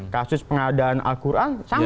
kasus pengadaan al quran sama tuh